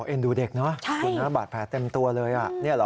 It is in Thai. เอ็นดูเด็กเนอะคุณน้าบาดแพ้เต็มตัวเลยอ่ะนี่เหรอ